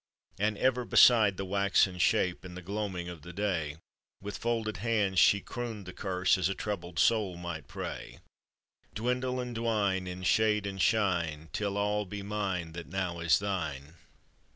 And ever beside the waxen shape In the gloaming of the day, With folded hands she crooned the curse As a troubled soul might pray: " Dwindle and dwine in shade and shine, Till all be mine that now is thine."